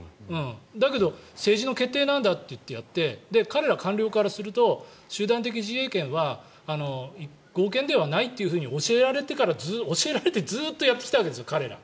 だけど、政治の決定なんだといってやって彼ら官僚からすると集団的自衛権は合憲ではないと教えられてずっとやってきたわけです、彼ら。